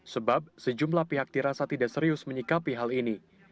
sebab sejumlah pihak dirasa tidak serius menyikapi hal ini